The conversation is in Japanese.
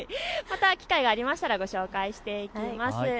また機会がありましたらご紹介していきます。